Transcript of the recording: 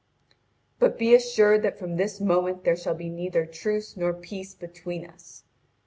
But be assured that from this moment there shall be neither truce nor peace between us.'